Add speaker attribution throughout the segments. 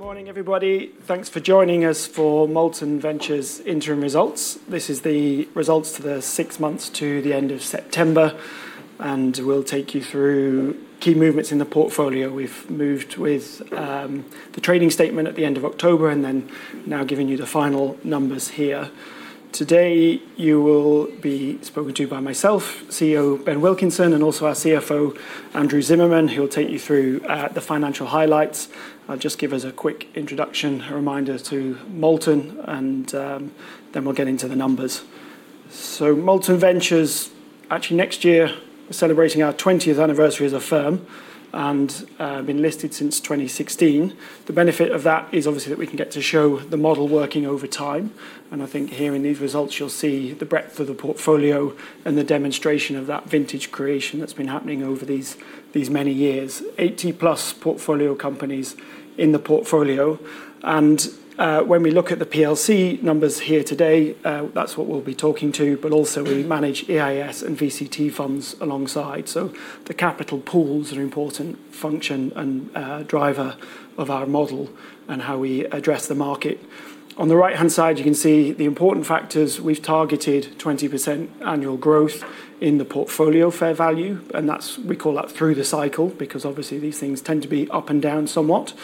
Speaker 1: Good morning, everybody. Thanks for joining us for Molten Ventures' interim results. This is the results for the six months to the end of September, and we'll take you through key movements in the portfolio. We've moved with the trading statement at the end of October and now giving you the final numbers here. Today, you will be spoken to by myself, CEO Ben Wilkinson, and also our CFO, Andrew Zimmermann. He'll take you through the financial highlights. I'll just give us a quick introduction, a reminder to Molten, and then we'll get into the numbers. Molten Ventures, actually next year, we're celebrating our 20th anniversary as a firm and have been listed since 2016. The benefit of that is obviously that we can get to show the model working over time. I think here in these results, you'll see the breadth of the portfolio and the demonstration of that vintage creation that's been happening over these many years. Eighty-plus portfolio companies in the portfolio. When we look at the PLC numbers here today, that's what we'll be talking to, but also we manage EIS and VCT funds alongside. The capital pools are an important function and driver of our model and how we address the market. On the right-hand side, you can see the important factors. We've targeted 20% annual growth in the portfolio fair value, and we call that through the cycle because obviously these things tend to be up and down somewhat,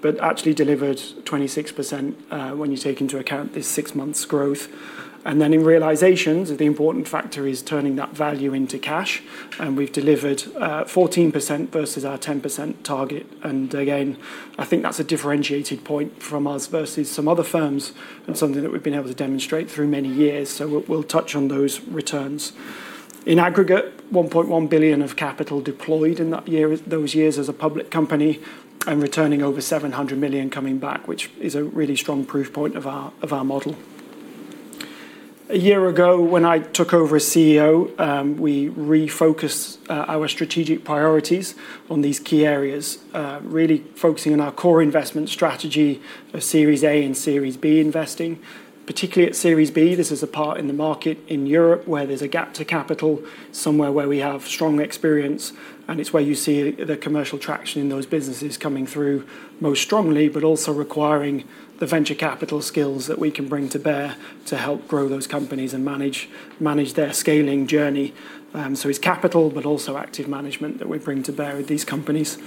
Speaker 1: but actually delivered 26% when you take into account this six-month growth. In realizations, the important factor is turning that value into cash, and we've delivered 14% versus our 10% target. I think that's a differentiated point from us versus some other firms and something that we've been able to demonstrate through many years. We'll touch on those returns. In aggregate, 1.1 billion of capital deployed in those years as a public company and returning over 700 million coming back, which is a really strong proof point of our model. A year ago, when I took over as CEO, we refocused our strategic priorities on these key areas, really focusing on our core investment strategy of Series A and Series B investing. Particularly at Series B, this is a part in the market in Europe where there's a gap to capital, somewhere where we have strong experience, and it's where you see the commercial traction in those businesses coming through most strongly, but also requiring the venture capital skills that we can bring to bear to help grow those companies and manage their scaling journey. It is capital, but also active management that we bring to bear with these companies.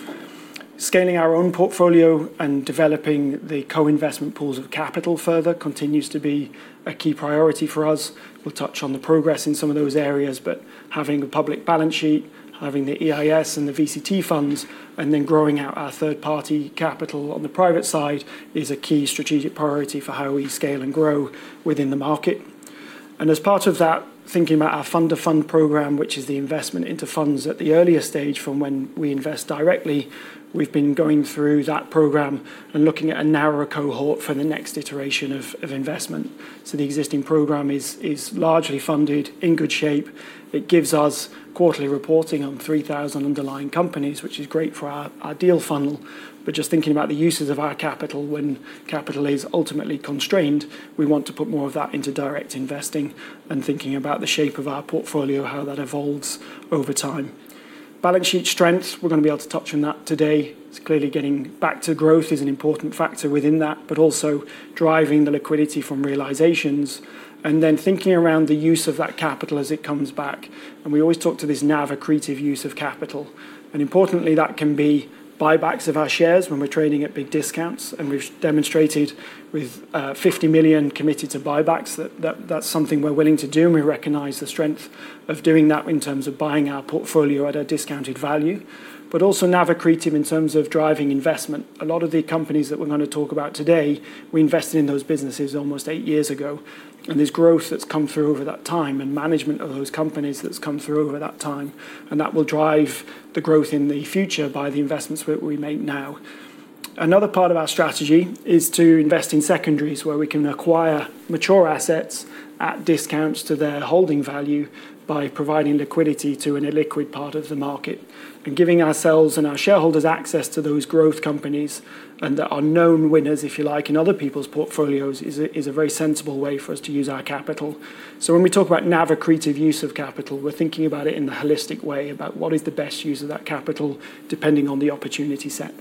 Speaker 1: Scaling our own portfolio and developing the co-investment pools of capital further continues to be a key priority for us. We'll touch on the progress in some of those areas, but having a public balance sheet, having the EIS and the VCT funds, and then growing out our third-party capital on the private side is a key strategic priority for how we scale and grow within the market. As part of that, thinking about our fund-to-fund program, which is the investment into funds at the earliest stage from when we invest directly, we've been going through that program and looking at a narrower cohort for the next iteration of investment. The existing program is largely funded, in good shape. It gives us quarterly reporting on 3,000 underlying companies, which is great for our deal funnel, but just thinking about the uses of our capital when capital is ultimately constrained, we want to put more of that into direct investing and thinking about the shape of our portfolio, how that evolves over time. Balance sheet strength, we're going to be able to touch on that today. It's clearly getting back to growth is an important factor within that, but also driving the liquidity from realizations, and then thinking around the use of that capital as it comes back. We always talk to this NAV accretive use of capital. Importantly, that can be buybacks of our shares when we're trading at big discounts. We've demonstrated with 50 million committed to buybacks that that's something we're willing to do, and we recognize the strength of doing that in terms of buying our portfolio at a discounted value, but also NAV accretive in terms of driving investment. A lot of the companies that we're going to talk about today, we invested in those businesses almost eight years ago, and there's growth that's come through over that time and management of those companies that's come through over that time, and that will drive the growth in the future by the investments that we make now. Another part of our strategy is to invest in secondaries where we can acquire mature assets at discounts to their holding value by providing liquidity to an illiquid part of the market and giving ourselves and our shareholders access to those growth companies and our known winners, if you like, in other people's portfolios is a very sensible way for us to use our capital. When we talk about NAV accretive use of capital, we're thinking about it in the holistic way about what is the best use of that capital depending on the opportunity set.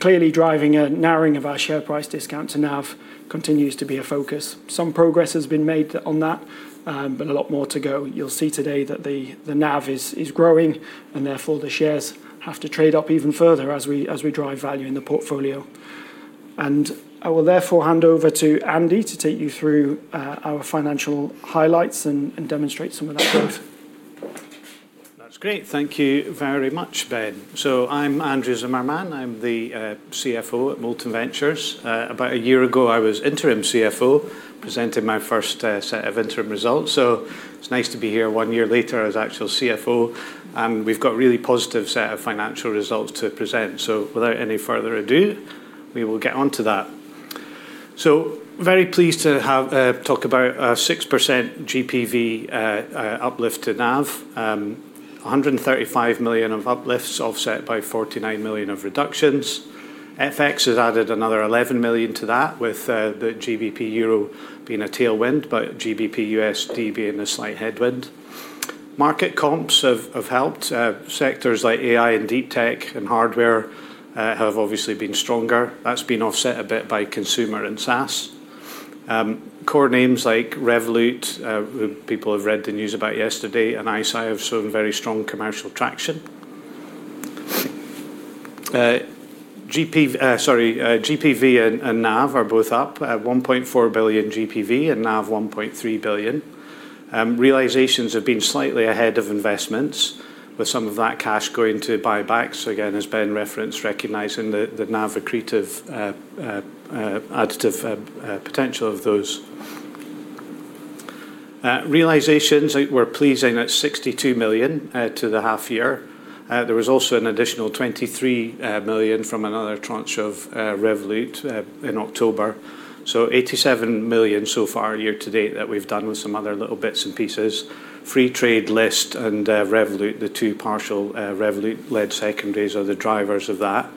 Speaker 1: Clearly, driving a narrowing of our share price discount to NAV continues to be a focus. Some progress has been made on that, but a lot more to go. You'll see today that the NAV is growing and therefore the shares have to trade up even further as we drive value in the portfolio. I will therefore hand over to Andy to take you through our financial highlights and demonstrate some of that growth.
Speaker 2: That's great. Thank you very much, Ben. I am Andrew Zimmermann. I am the CFO at Molten Ventures. About a year ago, I was interim CFO, presenting my first set of interim results. It is nice to be here one year later as actual CFO, and we have got a really positive set of financial results to present. Without any further ado, we will get on to that. I am very pleased to talk about a 6% GPV uplift to NAV, 135 million of uplifts offset by 49 million of reductions. FX has added another 11 million to that, with the GBP EUR being a tailwind, but GBP USD being a slight headwind. Market comps have helped. Sectors like AI and deep tech and hardware have obviously been stronger. That has been offset a bit by consumer and SaaS. Core names like Revolut, people have read the news about yesterday, and ISAR have shown very strong commercial traction. GPV and NAV are both up at 1.4 billion GPV and 1.3 billion NAV. Realizations have been slightly ahead of investments, with some of that cash going to buybacks. Again, as Ben referenced, recognizing the NAV accretive additive potential of those. Realizations were pleasing at 62 million to the half year. There was also an additional 23 million from another tranche of Revolut in October. 87 million so far year to date that we've done with some other little bits and pieces. Freetrade, Lyst, and Revolut, the two partial Revolut-led secondaries, are the drivers of that.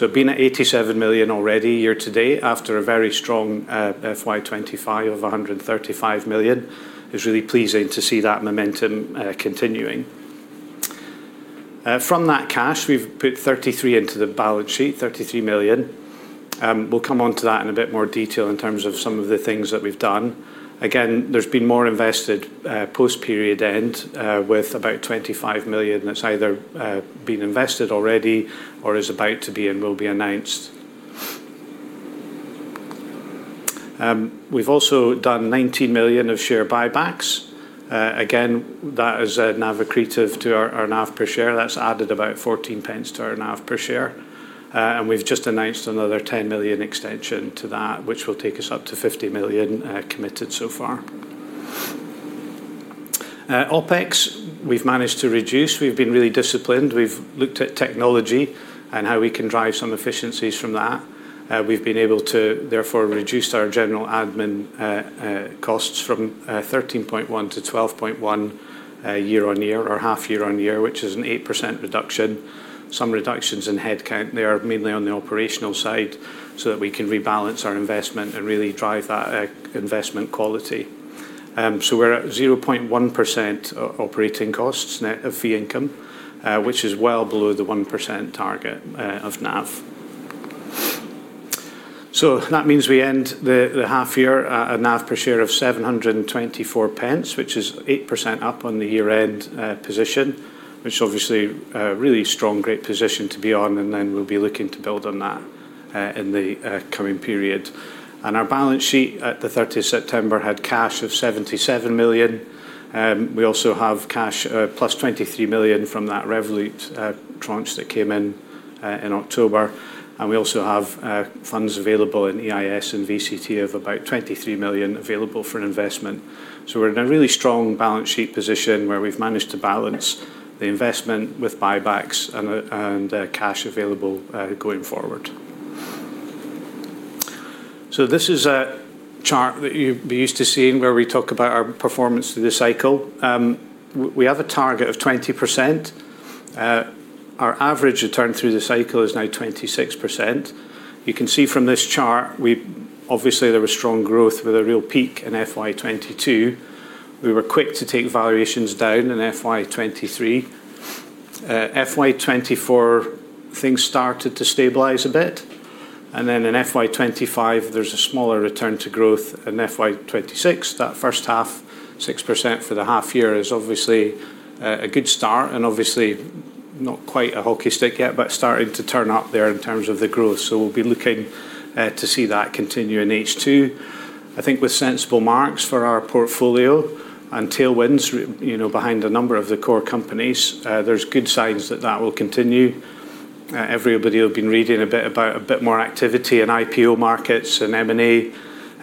Speaker 2: Being at 87 million already year to date after a very strong FY 2025 of 135 million, it's really pleasing to see that momentum continuing. From that cash, we've put 33 million into the balance sheet, 33 million. We'll come on to that in a bit more detail in terms of some of the things that we've done. Again, there's been more invested post-period end with about 25 million that's either been invested already or is about to be and will be announced. We've also done 19 million of share buybacks. That is NAV accretive to our NAV per share. That's added about 14 pence to our NAV per share. We've just announced another 10 million extension to that, which will take us up to 50 million committed so far. OpEx, we've managed to reduce. We've been really disciplined. We've looked at technology and how we can drive some efficiencies from that. We've been able to therefore reduce our general admin costs from 13.1 million to 12.1 million year on year or half year on year, which is an 8% reduction. Some reductions in headcount. They are mainly on the operational side so that we can rebalance our investment and really drive that investment quality. We're at 0.1% operating costs net of fee income, which is well below the 1% target of NAV. That means we end the half year at a NAV per share of 724 pence, which is 8% up on the year-end position, which is obviously a really strong, great position to be on, and we'll be looking to build on that in the coming period. Our balance sheet at the 30th of September had cash of 77 million. We also have cash plus 23 million from that Revolut tranche that came in in October. We also have funds available in EIS and VCT of about 23 million available for investment. We are in a really strong balance sheet position where we have managed to balance the investment with buybacks and cash available going forward. This is a chart that you will be used to seeing where we talk about our performance through the cycle. We have a target of 20%. Our average return through the cycle is now 26%. You can see from this chart, obviously there was strong growth with a real peak in FY 2022. We were quick to take valuations down in FY 2023. FY2024, things started to stabilize a bit. In FY 2025, there is a smaller return to growth in FY 2026. That first half, 6% for the half year is obviously a good start and obviously not quite a hockey stick yet, but starting to turn up there in terms of the growth. We will be looking to see that continue in H2. I think with sensible marks for our portfolio and tailwinds behind a number of the core companies, there are good signs that that will continue. Everybody has been reading a bit about a bit more activity in IPO markets and M&A.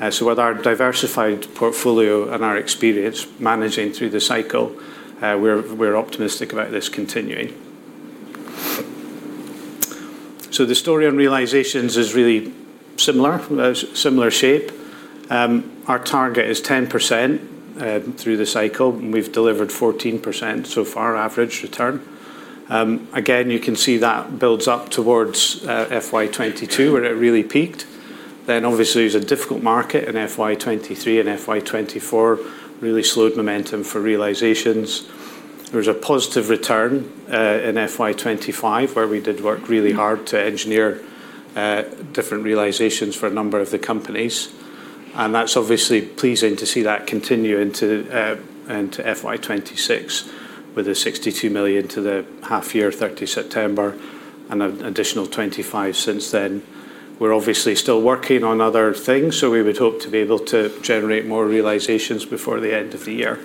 Speaker 2: With our diversified portfolio and our experience managing through the cycle, we are optimistic about this continuing. The story on realizations is really similar, similar shape. Our target is 10% through the cycle, and we have delivered 14% so far, average return. Again, you can see that builds up towards FY 2022 where it really peaked. It was a difficult market in FY 2023 and FY 2024, really slowed momentum for realizations. There was a positive return in FY 2025 where we did work really hard to engineer different realizations for a number of the companies. That is obviously pleasing to see that continue into FY 2026 with 62 million to the half year, 30 September, and an additional 25 million since then. We are obviously still working on other things, so we would hope to be able to generate more realizations before the end of the year.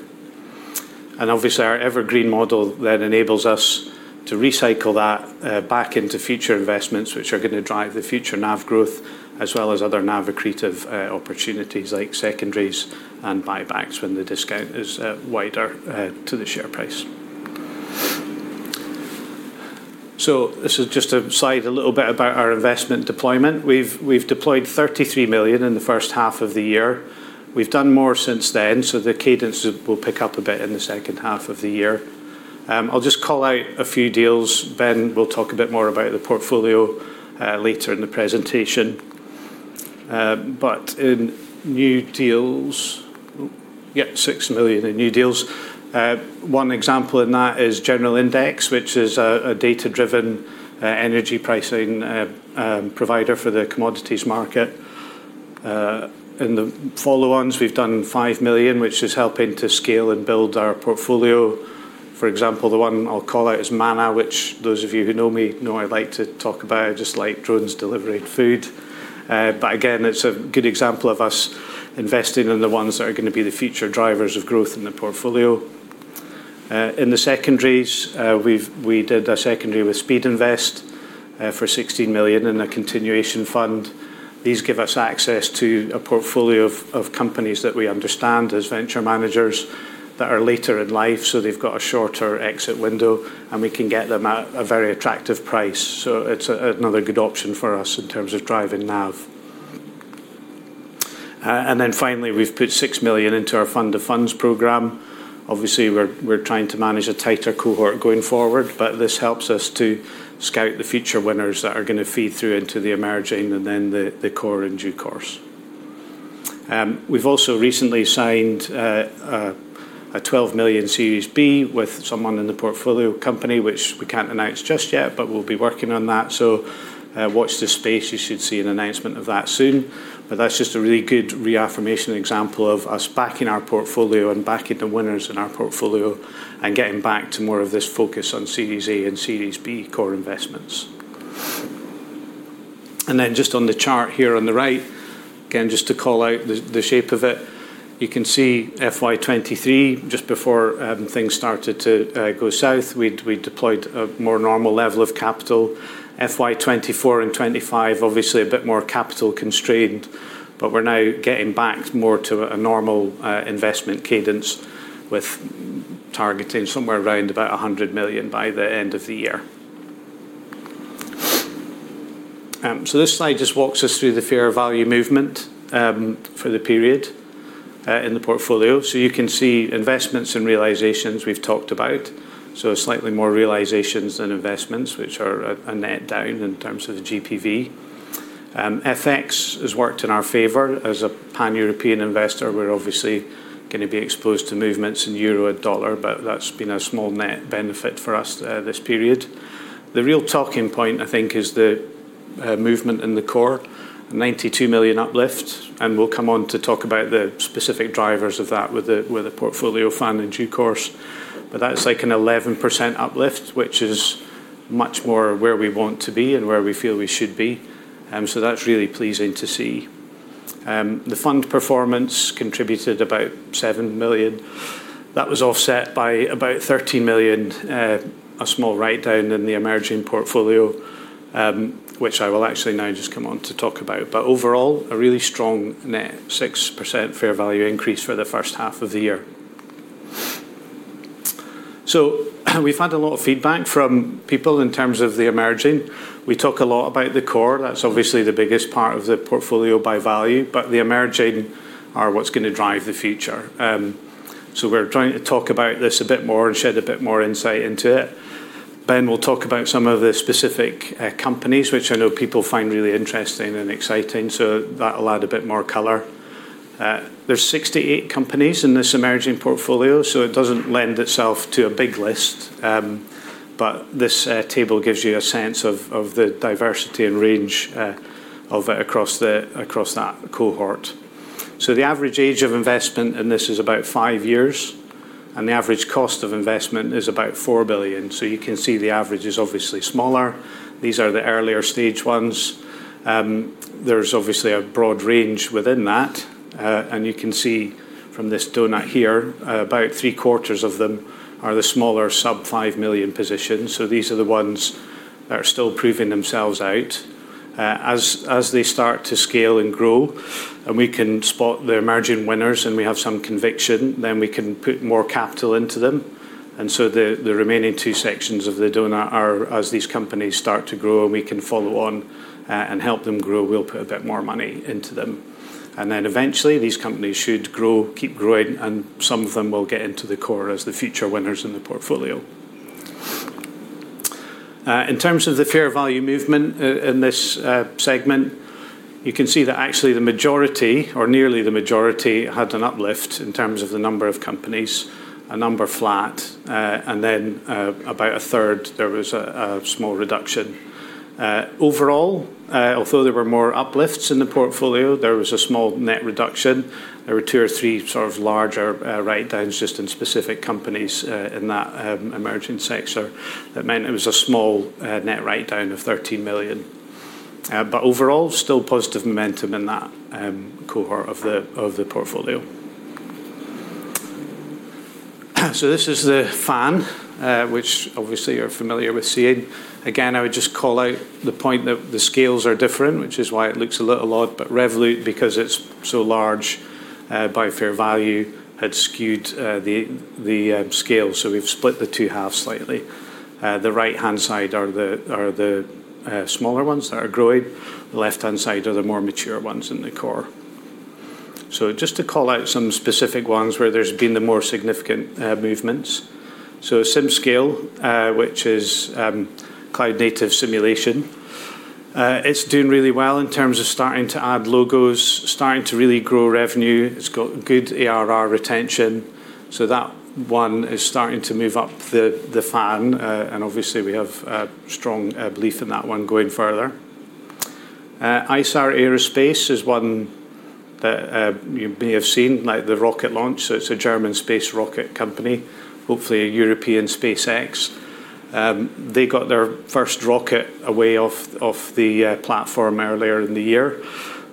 Speaker 2: Our evergreen model then enables us to recycle that back into future investments, which are going to drive the future NAV growth, as well as other NAV accretive opportunities like secondaries and buybacks when the discount is wider to the share price. This is just a slide a little bit about our investment deployment. We've deployed 33 million in the first half of the year. We've done more since then, so the cadence will pick up a bit in the second half of the year. I'll just call out a few deals. Ben will talk a bit more about the portfolio later in the presentation. In new deals, yeah, 6 million in new deals. One example in that is General Index, which is a data-driven energy pricing provider for the commodities market. In the follow-ons, we've done 5 million, which is helping to scale and build our portfolio. For example, the one I'll call out is Manna, which those of you who know me know I like to talk about. I just like drones delivering food. Again, it's a good example of us investing in the ones that are going to be the future drivers of growth in the portfolio. In the secondaries, we did a secondary with Speedinvest for 16 million in a continuation fund. These give us access to a portfolio of companies that we understand as venture managers that are later in life, so they've got a shorter exit window, and we can get them at a very attractive price. It is another good option for us in terms of driving NAV. Finally, we've put 6 million into our fund-to-funds program. Obviously, we're trying to manage a tighter cohort going forward, but this helps us to scout the future winners that are going to feed through into the emerging and then the core in due course. We've also recently signed a 12 million Series B with someone in the portfolio company, which we can't announce just yet, but we'll be working on that. Watch the space. You should see an announcement of that soon. That is just a really good reaffirmation example of us backing our portfolio and backing the winners in our portfolio and getting back to more of this focus on Series A and Series B core investments. Just on the chart here on the right, again, just to call out the shape of it, you can see FY 2023, just before things started to go south, we deployed a more normal level of capital. FY 2024 and 2025, obviously a bit more capital constrained, but we are now getting back more to a normal investment cadence with targeting somewhere around about 100 million by the end of the year. This slide just walks us through the fair value movement for the period in the portfolio. You can see investments and realizations we have talked about. Slightly more realizations than investments, which are a net down in terms of the GPV. FX has worked in our favor as a pan-European investor. We're obviously going to be exposed to movements in euro and dollar, but that's been a small net benefit for us this period. The real talking point, I think, is the movement in the core, a 92 million uplift. We'll come on to talk about the specific drivers of that with a portfolio fund in due course. That's like an 11% uplift, which is much more where we want to be and where we feel we should be. That's really pleasing to see. The fund performance contributed about 7 million. That was offset by about 13 million, a small write-down in the emerging portfolio, which I will actually now just come on to talk about. Overall, a really strong net 6% fair value increase for the first half of the year. We have had a lot of feedback from people in terms of the emerging. We talk a lot about the core. That is obviously the biggest part of the portfolio by value, but the emerging are what is going to drive the future. We are trying to talk about this a bit more and shed a bit more insight into it. Ben will talk about some of the specific companies, which I know people find really interesting and exciting, so that will add a bit more color. There are 68 companies in this emerging portfolio, so it does not lend itself to a big list, but this table gives you a sense of the diversity and range of it across that cohort. The average age of investment in this is about five years, and the average cost of investment is about 4 billion. You can see the average is obviously smaller. These are the earlier stage ones. There is obviously a broad range within that, and you can see from this donut here, about 75% of them are the smaller sub 5 million positions. These are the ones that are still proving themselves out. As they start to scale and grow, and we can spot the emerging winners and we have some conviction, then we can put more capital into them. The remaining two sections of the donut are, as these companies start to grow and we can follow on and help them grow, we will put a bit more money into them. Eventually these companies should grow, keep growing, and some of them will get into the core as the future winners in the portfolio. In terms of the fair value movement in this segment, you can see that actually the majority, or nearly the majority, had an uplift in terms of the number of companies, a number flat, and then about a third, there was a small reduction. Overall, although there were more uplifts in the portfolio, there was a small net reduction. There were two or three sort of larger write-downs just in specific companies in that emerging sector that meant it was a small net write-down of $13 million. Overall, still positive momentum in that cohort of the portfolio. This is the fan, which obviously you're familiar with seeing. Again, I would just call out the point that the scales are different, which is why it looks a little odd, but Revolut, because it's so large by fair value, had skewed the scale. We have split the two halves slightly. The right-hand side are the smaller ones that are growing. The left-hand side are the more mature ones in the core. Just to call out some specific ones where there's been the more significant movements. SimScale, which is cloud-native simulation, it's doing really well in terms of starting to add logos, starting to really grow revenue. It's got good ARR retention. That one is starting to move up the fan, and obviously we have a strong belief in that one going further. ISAR Aerospace is one that you may have seen, like the rocket launch. It's a German space rocket company, hopefully a European SpaceX. They got their first rocket away off the platform earlier in the year.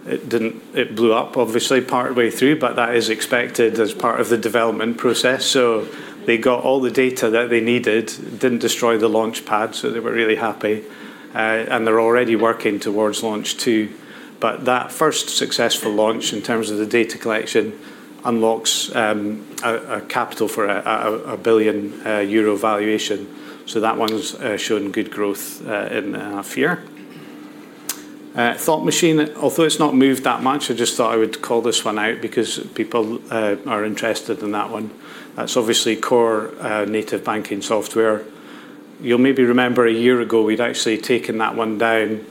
Speaker 2: It blew up, obviously, partway through, but that is expected as part of the development process. They got all the data that they needed, did not destroy the launch pad, so they were really happy. They are already working towards launch two. That first successful launch in terms of the data collection unlocks capital for a 1 billion euro valuation. That one has shown good growth in the half year. Thought Machine, although it has not moved that much, I just thought I would call this one out because people are interested in that one. That is obviously core native banking software. You will maybe remember a year ago we had actually taken that one down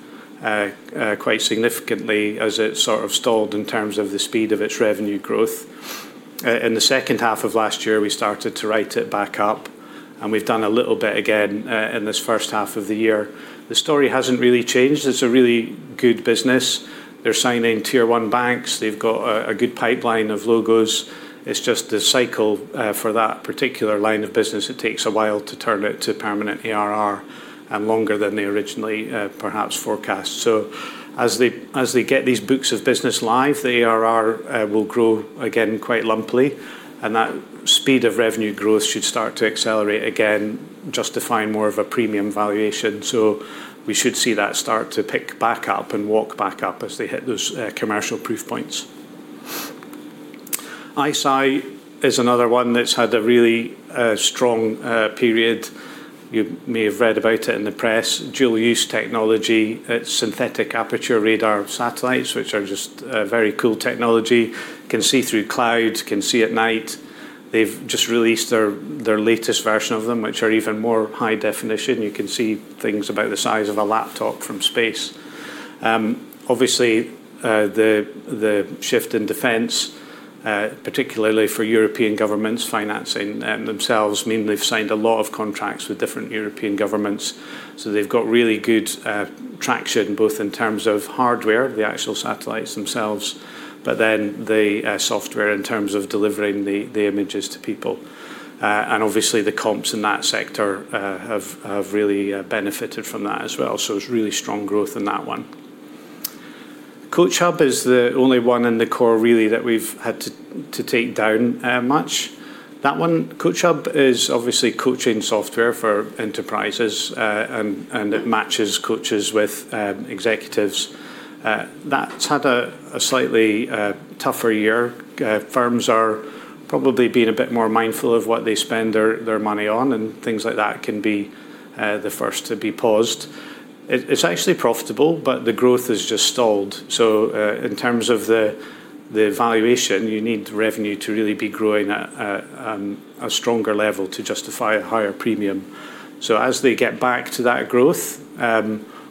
Speaker 2: quite significantly as it sort of stalled in terms of the speed of its revenue growth. In the second half of last year, we started to write it back up, and we've done a little bit again in this first half of the year. The story hasn't really changed. It's a really good business. They're signing tier one banks. They've got a good pipeline of logos. It's just the cycle for that particular line of business. It takes a while to turn it to permanent ARR and longer than they originally perhaps forecast. As they get these books of business live, the ARR will grow again quite lumpily, and that speed of revenue growth should start to accelerate again, justifying more of a premium valuation. We should see that start to pick back up and walk back up as they hit those commercial proof points. ISAR is another one that's had a really strong period. You may have read about it in the press. Dual-use technology, synthetic aperture radar satellites, which are just a very cool technology. You can see through clouds, can see at night. They've just released their latest version of them, which are even more high definition. You can see things about the size of a laptop from space. Obviously, the shift in defense, particularly for European governments financing themselves, meaning they've signed a lot of contracts with different European governments. They've got really good traction both in terms of hardware, the actual satellites themselves, but then the software in terms of delivering the images to people. Obviously, the comps in that sector have really benefited from that as well. It's really strong growth in that one. CoachHub is the only one in the core really that we've had to take down much. That one, CoachHub, is obviously coaching software for enterprises, and it matches coaches with executives. That's had a slightly tougher year. Firms are probably being a bit more mindful of what they spend their money on, and things like that can be the first to be paused. It's actually profitable, but the growth has just stalled. In terms of the valuation, you need revenue to really be growing at a stronger level to justify a higher premium. As they get back to that growth,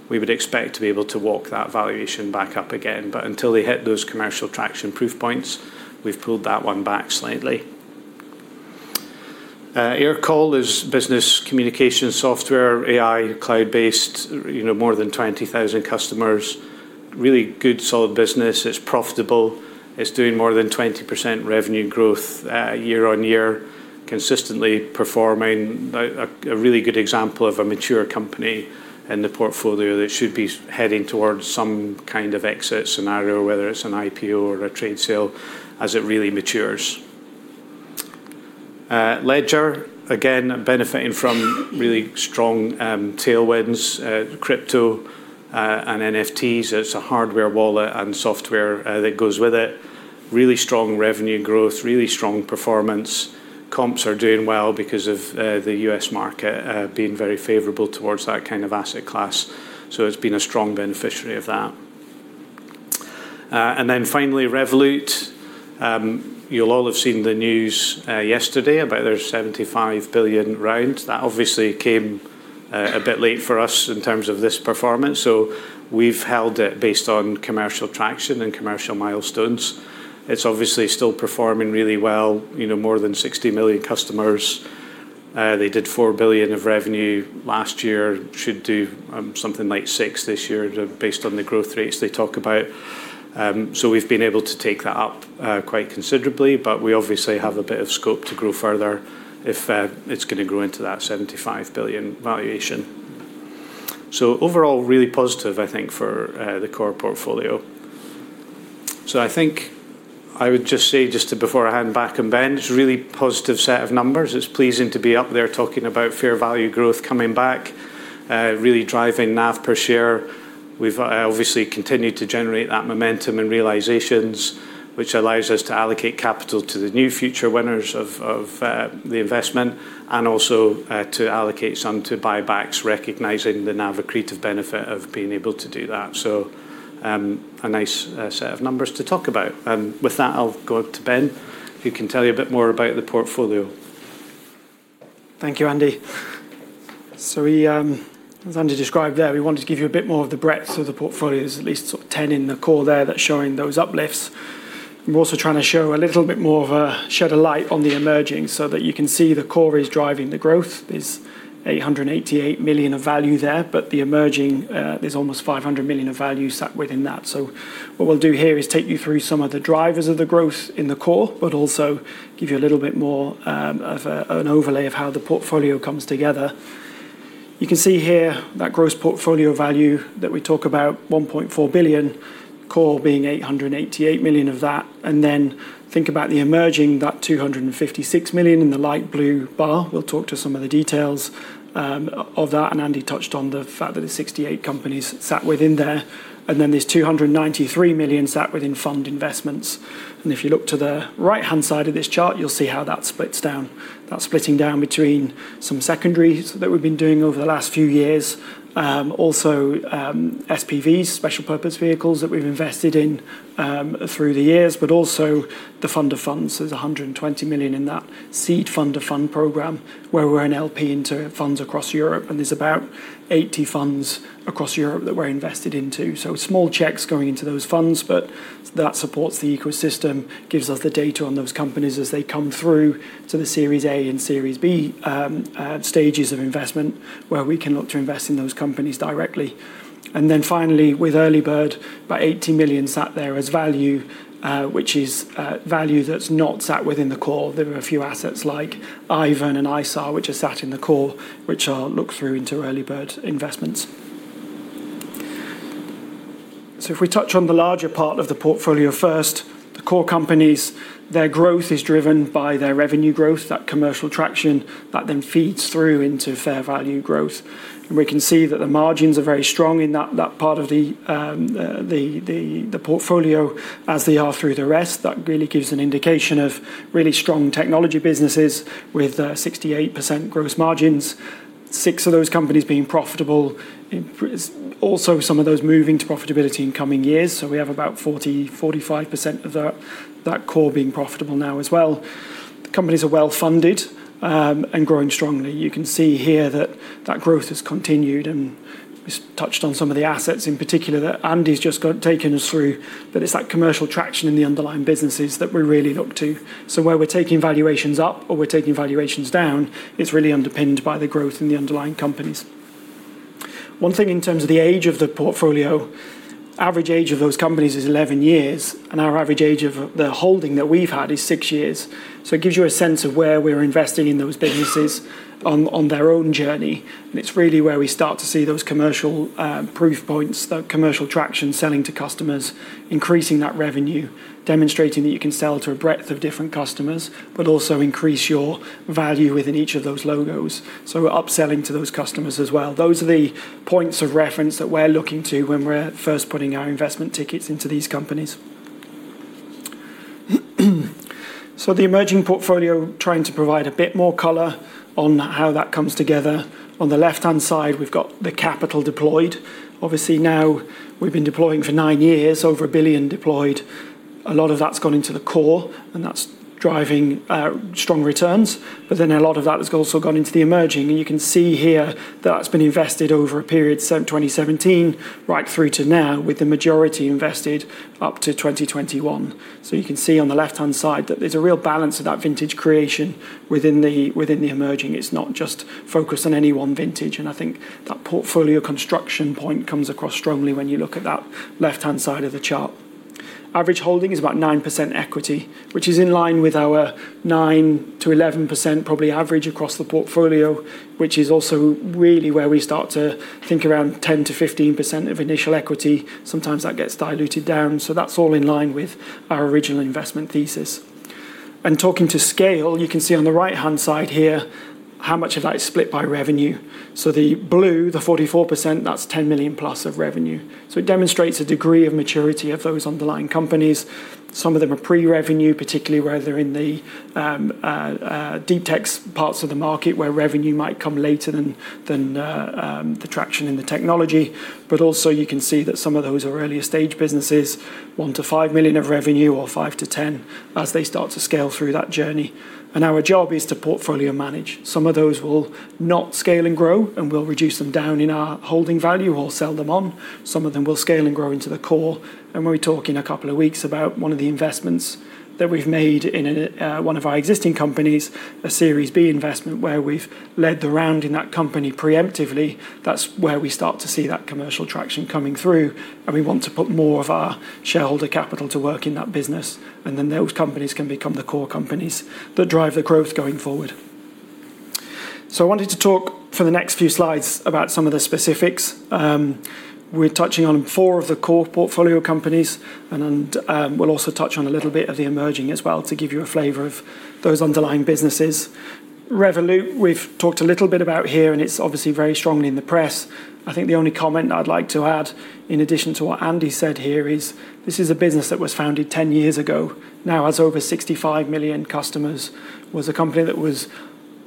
Speaker 2: we would expect to be able to walk that valuation back up again. Until they hit those commercial traction proof points, we've pulled that one back slightly. Aircall is business communication software, AI, cloud-based, more than 20,000 customers. Really good, solid business. It's profitable. It's doing more than 20% revenue growth year on year, consistently performing. A really good example of a mature company in the portfolio that should be heading towards some kind of exit scenario, whether it's an IPO or a trade sale, as it really matures. Ledger, again, benefiting from really strong tailwinds, crypto and NFTs. It's a hardware wallet and software that goes with it. Really strong revenue growth, really strong performance. Comps are doing well because of the U.S. market being very favorable towards that kind of asset class. It has been a strong beneficiary of that. Finally, Revolut. You'll all have seen the news yesterday about their $75 billion round. That obviously came a bit late for us in terms of this performance. We have held it based on commercial traction and commercial milestones. It's obviously still performing really well, more than 60 million customers. They did $4 billion of revenue last year, should do something like $6 billion this year based on the growth rates they talk about. We have been able to take that up quite considerably, but we obviously have a bit of scope to grow further if it is going to grow into that $75 billion valuation. Overall, really positive, I think, for the core portfolio. I would just say just before I hand back and Ben, it is a really positive set of numbers. It is pleasing to be up there talking about fair value growth coming back, really driving NAV per share. We have obviously continued to generate that momentum and realizations, which allows us to allocate capital to the new future winners of the investment and also to allocate some to buybacks, recognizing the NAV accretive benefit of being able to do that. A nice set of numbers to talk about. With that, I'll go up to Ben, who can tell you a bit more about the portfolio.
Speaker 1: Thank you, Andy. As Andy described there, we wanted to give you a bit more of the breadth of the portfolios, at least 10 in the core there that's showing those uplifts. We're also trying to show a little bit more of a shed of light on the emerging so that you can see the core is driving the growth. There's 888 million of value there, but the emerging, there's almost 500 million of value sat within that. What we'll do here is take you through some of the drivers of the growth in the core, but also give you a little bit more of an overlay of how the portfolio comes together. You can see here that gross portfolio value that we talk about, 1.4 billion, core being 888 million of that. Think about the emerging, that 256 million in the light blue bar. We'll talk to some of the details of that. Andy touched on the fact that there's 68 companies sat within there. There's 293 million sat within fund investments. If you look to the right-hand side of this chart, you'll see how that splits down. That's splitting down between some secondaries that we've been doing over the last few years, also SPVs, special purpose vehicles that we've invested in through the years, but also the fund of funds. There's 120 million in that seed fund of fund program where we're an LP into funds across Europe, and there's about 80 funds across Europe that we're invested into. Small checks going into those funds, but that supports the ecosystem, gives us the data on those companies as they come through to the Series A and Series B stages of investment where we can look to invest in those companies directly. Finally, with Early Bird, about 80 million sat there as value, which is value that's not sat within the core. There are a few assets like Ivan and ISAR, which are sat in the core, which I'll look through into Early Bird investments. If we touch on the larger part of the portfolio first, the core companies, their growth is driven by their revenue growth, that commercial traction that then feeds through into fair value growth. We can see that the margins are very strong in that part of the portfolio as they are through the rest. That really gives an indication of really strong technology businesses with 68% gross margins, six of those companies being profitable, also some of those moving to profitability in coming years. We have about 40-45% of that core being profitable now as well. The companies are well funded and growing strongly. You can see here that growth has continued. We touched on some of the assets in particular that Andy's just taken us through, but it is that commercial traction in the underlying businesses that we really look to. Where we are taking valuations up or we are taking valuations down, it is really underpinned by the growth in the underlying companies. One thing in terms of the age of the portfolio, average age of those companies is 11 years, and our average age of the holding that we have had is six years. It gives you a sense of where we're investing in those businesses on their own journey. It's really where we start to see those commercial proof points, that commercial traction, selling to customers, increasing that revenue, demonstrating that you can sell to a breadth of different customers, but also increase your value within each of those logos. We're upselling to those customers as well. Those are the points of reference that we're looking to when we're first putting our investment tickets into these companies. The emerging portfolio trying to provide a bit more color on how that comes together. On the left-hand side, we've got the capital deployed. Obviously, now we've been deploying for nine years, over 1 billion deployed. A lot of that's gone into the core, and that's driving strong returns. A lot of that has also gone into the emerging. You can see here that that's been invested over a period since 2017 right through to now, with the majority invested up to 2021. You can see on the left-hand side that there's a real balance of that vintage creation within the emerging. It's not just focused on any one vintage. I think that portfolio construction point comes across strongly when you look at that left-hand side of the chart. Average holding is about 9% equity, which is in line with our 9-11% probably average across the portfolio, which is also really where we start to think around 10-15% of initial equity. Sometimes that gets diluted down. That's all in line with our original investment thesis. Talking to scale, you can see on the right-hand side here how much of that is split by revenue. The blue, the 44%, that's $10 million plus of revenue. It demonstrates a degree of maturity of those underlying companies. Some of them are pre-revenue, particularly where they're in the deep tech parts of the market where revenue might come later than the traction in the technology. You can see that some of those are earlier stage businesses, $1 million-$5 million of revenue or $5 million-$10 million as they start to scale through that journey. Our job is to portfolio manage. Some of those will not scale and grow, and we'll reduce them down in our holding value or sell them on. Some of them will scale and grow into the core. We are talking a couple of weeks about one of the investments that we have made in one of our existing companies, a Series B investment where we have led the round in that company preemptively. That is where we start to see that commercial traction coming through, and we want to put more of our shareholder capital to work in that business. Those companies can become the core companies that drive the growth going forward. I wanted to talk for the next few slides about some of the specifics. We are touching on four of the core portfolio companies, and we will also touch on a little bit of the emerging as well to give you a flavor of those underlying businesses. Revolut, we have talked a little bit about here, and it is obviously very strongly in the press. I think the only comment I'd like to add in addition to what Andy said here is this is a business that was founded 10 years ago, now has over 65 million customers, was a company that was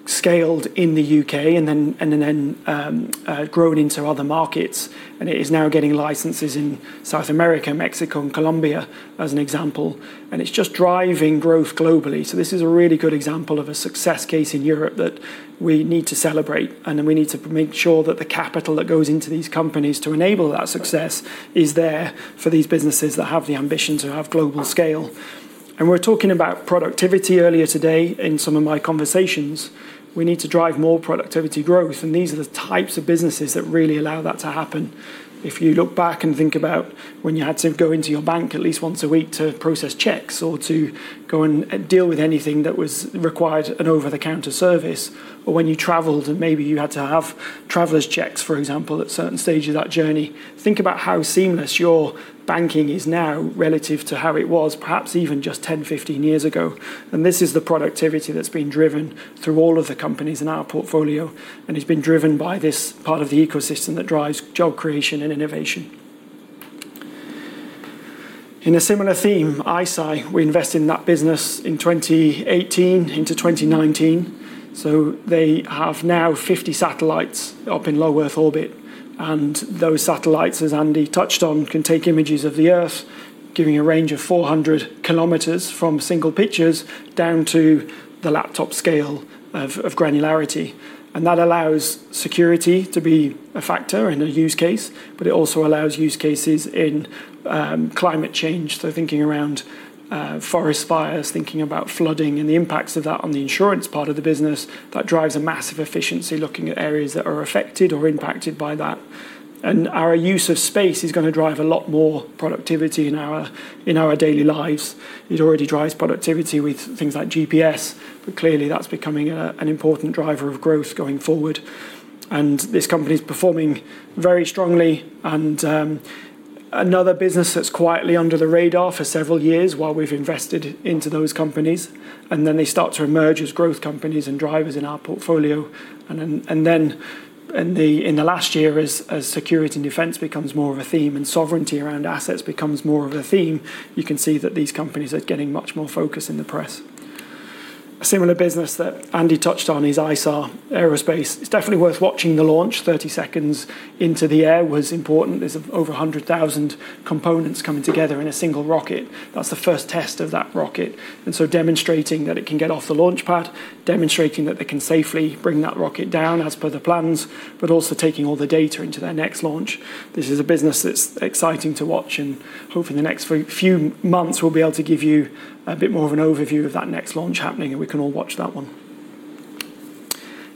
Speaker 1: scaled in the U.K. and then grown into other markets. It is now getting licenses in South America, Mexico, and Colombia as an example. It is just driving growth globally. This is a really good example of a success case in Europe that we need to celebrate. We need to make sure that the capital that goes into these companies to enable that success is there for these businesses that have the ambition to have global scale. We were talking about productivity earlier today in some of my conversations. We need to drive more productivity growth, and these are the types of businesses that really allow that to happen. If you look back and think about when you had to go into your bank at least once a week to process checks or to go and deal with anything that was required, an over-the-counter service, or when you traveled and maybe you had to have traveler's checks, for example, at certain stages of that journey, think about how seamless your banking is now relative to how it was, perhaps even just 10, 15 years ago. This is the productivity that's been driven through all of the companies in our portfolio, and it's been driven by this part of the ecosystem that drives job creation and innovation. In a similar theme, ISAR Aerospace, we invested in that business in 2018 into 2019. They have now 50 satellites up in low Earth orbit. Those satellites, as Andy touched on, can take images of the Earth, giving a range of 400 kilometers from single pictures down to the laptop scale of granularity. That allows security to be a factor in a use case, but it also allows use cases in climate change. Thinking around forest fires, thinking about flooding and the impacts of that on the insurance part of the business, that drives a massive efficiency looking at areas that are affected or impacted by that. Our use of space is going to drive a lot more productivity in our daily lives. It already drives productivity with things like GPS, but clearly that's becoming an important driver of growth going forward. This company is performing very strongly. Another business that's quietly under the radar for several years while we've invested into those companies, and then they start to emerge as growth companies and drivers in our portfolio. In the last year, as security and defense becomes more of a theme and sovereignty around assets becomes more of a theme, you can see that these companies are getting much more focus in the press. A similar business that Andy touched on is ISAR Aerospace. It's definitely worth watching the launch. Thirty seconds into the air was important. There's over 100,000 components coming together in a single rocket. That's the first test of that rocket. Demonstrating that it can get off the launch pad, demonstrating that they can safely bring that rocket down as per the plans, but also taking all the data into their next launch. This is a business that's exciting to watch, and hopefully in the next few months, we'll be able to give you a bit more of an overview of that next launch happening, and we can all watch that one.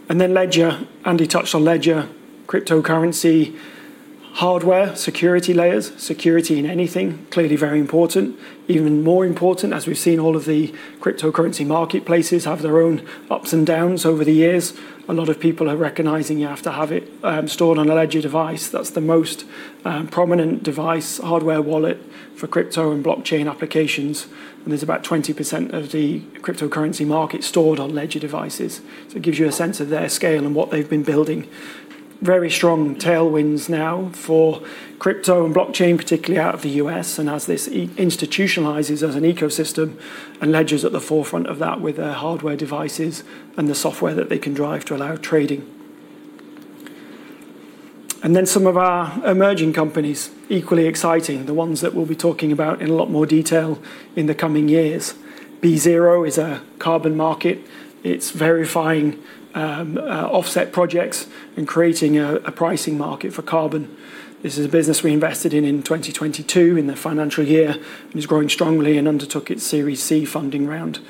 Speaker 1: Ledger, Andy touched on Ledger, cryptocurrency, hardware, security layers, security in anything, clearly very important, even more important as we've seen all of the cryptocurrency marketplaces have their own ups and downs over the years. A lot of people are recognizing you have to have it stored on a Ledger device. That's the most prominent device, hardware wallet for crypto and blockchain applications. There's about 20% of the cryptocurrency market stored on Ledger devices. It gives you a sense of their scale and what they've been building. Very strong tailwinds now for crypto and blockchain, particularly out of the U.S. As this institutionalizes as an ecosystem and Ledger is at the forefront of that with their hardware devices and the software that they can drive to allow trading. Some of our emerging companies, equally exciting, are the ones that we will be talking about in a lot more detail in the coming years. BeZero Carbon is a carbon market. It is verifying offset projects and creating a pricing market for carbon. This is a business we invested in in 2022 in the financial year and is growing strongly and undertook its Series C funding round,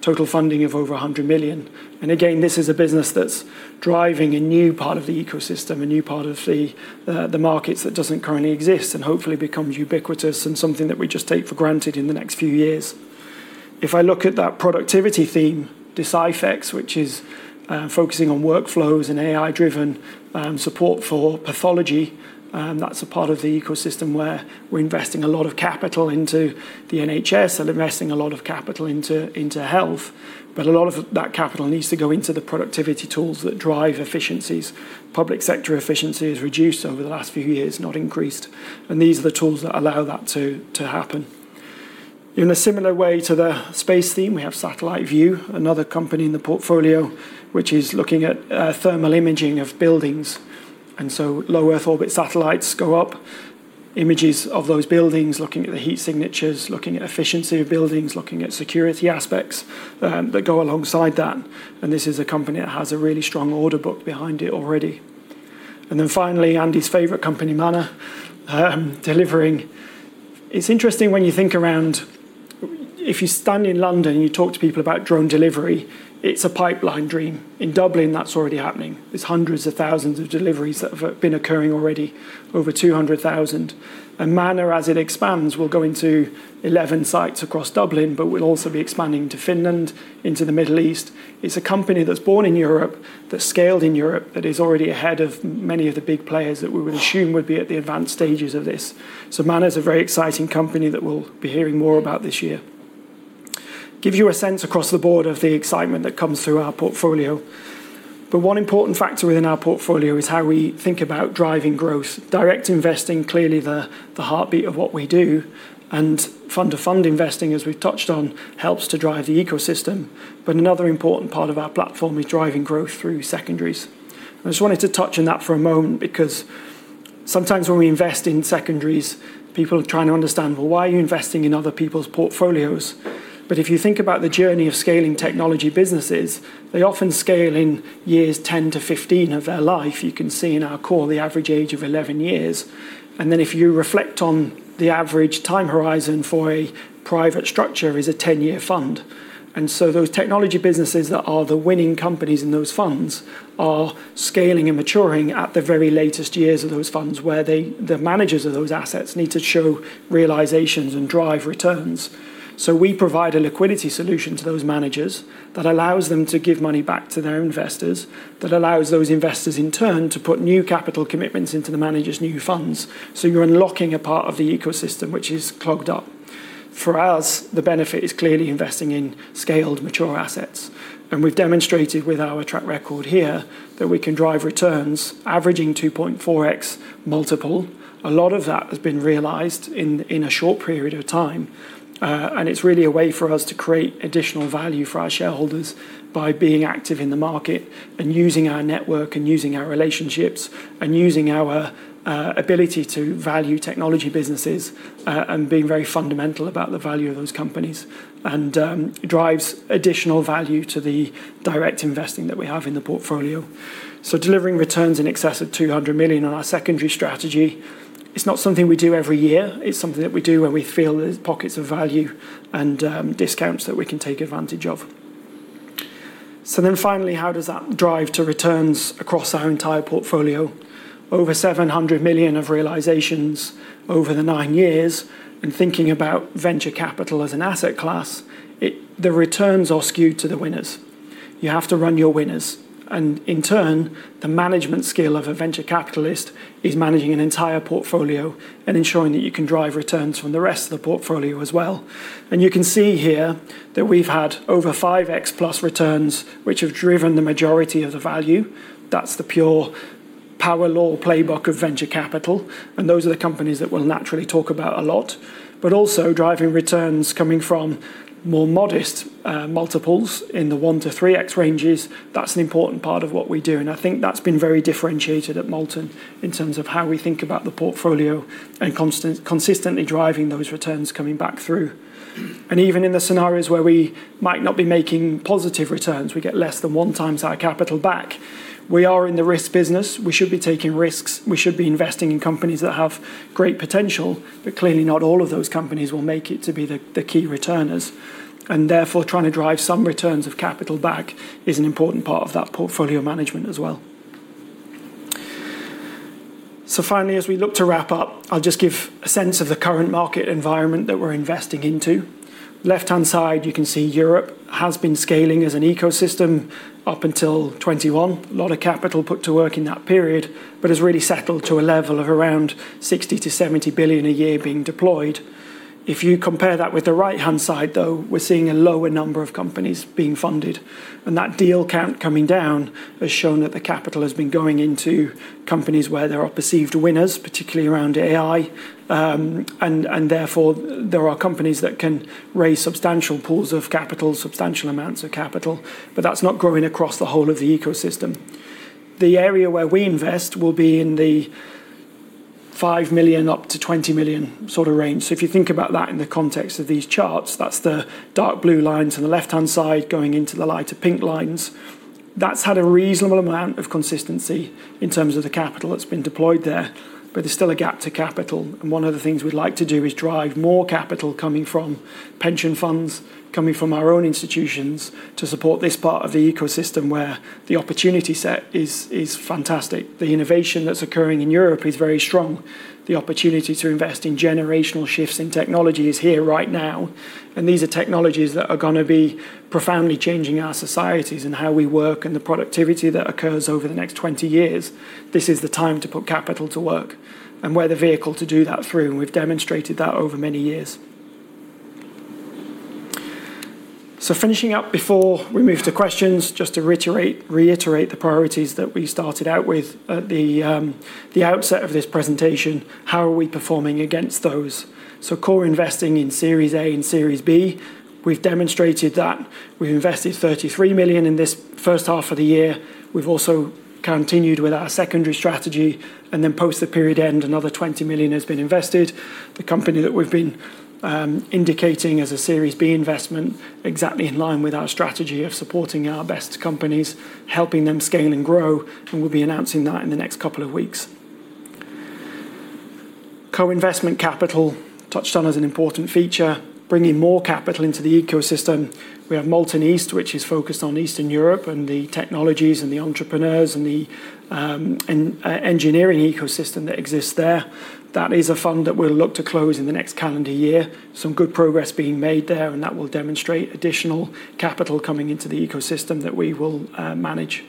Speaker 1: total funding of over $100 million. This is a business that is driving a new part of the ecosystem, a new part of the markets that does not currently exist and hopefully becomes ubiquitous and something that we just take for granted in the next few years. If I look at that productivity theme, DysciFX, which is focusing on workflows and AI-driven support for pathology, that's a part of the ecosystem where we're investing a lot of capital into the NHS and investing a lot of capital into health. A lot of that capital needs to go into the productivity tools that drive efficiencies. Public sector efficiency has reduced over the last few years, not increased. These are the tools that allow that to happen. In a similar way to the space theme, we have Satellite Vu, another company in the portfolio, which is looking at thermal imaging of buildings. Low Earth orbit satellites go up, images of those buildings, looking at the heat signatures, looking at efficiency of buildings, looking at security aspects that go alongside that. This is a company that has a really strong order book behind it already. Finally, Andy's favorite company, Manna, delivering. It's interesting when you think around, if you stand in London and you talk to people about drone delivery, it's a pipe dream. In Dublin, that's already happening. There are hundreds of thousands of deliveries that have been occurring already, over 200,000. Manna, as it expands, will go into 11 sites across Dublin, but will also be expanding to Finland, into the Middle East. It's a company that's born in Europe, that's scaled in Europe, that is already ahead of many of the big players that we would assume would be at the advanced stages of this. Manna is a very exciting company that we'll be hearing more about this year. Gives you a sense across the board of the excitement that comes through our portfolio. One important factor within our portfolio is how we think about driving growth. Direct investing, clearly the heartbeat of what we do. Fund-to-fund investing, as we've touched on, helps to drive the ecosystem. Another important part of our platform is driving growth through secondaries. I just wanted to touch on that for a moment because sometimes when we invest in secondaries, people are trying to understand, well, why are you investing in other people's portfolios? If you think about the journey of scaling technology businesses, they often scale in years 10-15 of their life. You can see in our core, the average age of 11 years. If you reflect on the average time horizon for a private structure, it is a 10-year fund. Those technology businesses that are the winning companies in those funds are scaling and maturing at the very latest years of those funds where the managers of those assets need to show realizations and drive returns. We provide a liquidity solution to those managers that allows them to give money back to their investors, that allows those investors in turn to put new capital commitments into the manager's new funds. You are unlocking a part of the ecosystem which is clogged up. For us, the benefit is clearly investing in scaled mature assets. We have demonstrated with our track record here that we can drive returns averaging 2.4x multiple. A lot of that has been realized in a short period of time. It is really a way for us to create additional value for our shareholders by being active in the market and using our network and using our relationships and using our ability to value technology businesses and being very fundamental about the value of those companies. It drives additional value to the direct investing that we have in the portfolio. Delivering returns in excess of $200 million on our secondary strategy is not something we do every year. It is something that we do when we feel there are pockets of value and discounts that we can take advantage of. Finally, how does that drive to returns across our entire portfolio? Over $700 million of realizations over the nine years. Thinking about venture capital as an asset class, the returns are skewed to the winners. You have to run your winners. In turn, the management skill of a venture capitalist is managing an entire portfolio and ensuring that you can drive returns from the rest of the portfolio as well. You can see here that we've had over 5x plus returns, which have driven the majority of the value. That is the pure power law playbook of venture capital. Those are the companies that we'll naturally talk about a lot. Also, driving returns coming from more modest multiples in the 1-3x ranges, that is an important part of what we do. I think that has been very differentiated at Molten in terms of how we think about the portfolio and consistently driving those returns coming back through. Even in the scenarios where we might not be making positive returns, we get less than one times our capital back, we are in the risk business. We should be taking risks. We should be investing in companies that have great potential, but clearly not all of those companies will make it to be the key returners. Therefore, trying to drive some returns of capital back is an important part of that portfolio management as well. Finally, as we look to wrap up, I'll just give a sense of the current market environment that we're investing into. Left-hand side, you can see Europe has been scaling as an ecosystem up until 2021, a lot of capital put to work in that period, but has really settled to a level of around 60 billion-70 billion a year being deployed. If you compare that with the right-hand side, though, we're seeing a lower number of companies being funded. That deal count coming down has shown that the capital has been going into companies where there are perceived winners, particularly around AI. Therefore, there are companies that can raise substantial pools of capital, substantial amounts of capital, but that's not growing across the whole of the ecosystem. The area where we invest will be in the $5 million-$20 million sort of range. If you think about that in the context of these charts, that's the dark blue lines on the left-hand side going into the lighter pink lines. That's had a reasonable amount of consistency in terms of the capital that's been deployed there, but there's still a gap to capital. One of the things we'd like to do is drive more capital coming from pension funds, coming from our own institutions to support this part of the ecosystem where the opportunity set is fantastic. The innovation that's occurring in Europe is very strong. The opportunity to invest in generational shifts in technology is here right now. These are technologies that are going to be profoundly changing our societies and how we work and the productivity that occurs over the next 20 years. This is the time to put capital to work and we're the vehicle to do that through. We've demonstrated that over many years. Finishing up before we move to questions, just to reiterate the priorities that we started out with at the outset of this presentation, how are we performing against those? Core investing in Series A and Series B, we've demonstrated that we've invested 33 million in this first half of the year. We've also continued with our secondary strategy. Post the period end, another 20 million has been invested. The company that we've been indicating as a Series B investment, exactly in line with our strategy of supporting our best companies, helping them scale and grow. We'll be announcing that in the next couple of weeks. Co-investment capital touched on as an important feature, bringing more capital into the ecosystem. We have Molten East, which is focused on Eastern Europe and the technologies and the entrepreneurs and the engineering ecosystem that exists there. That is a fund that we'll look to close in the next calendar year. Some good progress being made there, and that will demonstrate additional capital coming into the ecosystem that we will manage.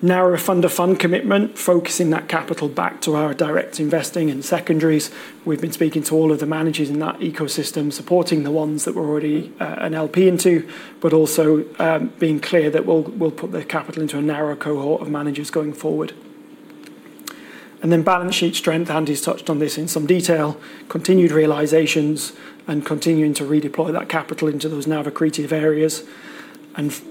Speaker 1: Now, a fund-to-fund commitment focusing that capital back to our direct investing and secondaries. We've been speaking to all of the managers in that ecosystem, supporting the ones that we're already NLP into, but also being clear that we'll put the capital into a narrow cohort of managers going forward. Then balance sheet strength, Andy's touched on this in some detail, continued realizations and continuing to redeploy that capital into those now accretive areas.